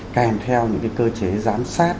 kèm theo những cái cơ chế giám sát